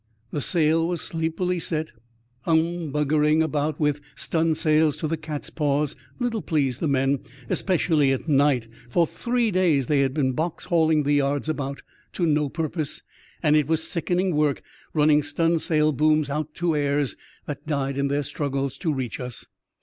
'* The sail was sleepily set. Humbugging about with stunsails to the cat's paws little pleased the men, especially at night. For three days they had been box hauling the yards about to no purpose, and it was sickening work running stunsail booms out to airs that died in their struggles to reach us.